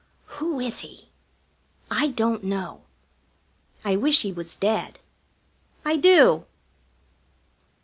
Who is he? I don't know. I wish he was dead. I do!